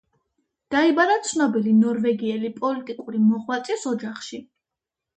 დაიბადა ცნობილი ნორვეგიელი პოლიტიკური მოღვაწის ოჯახში.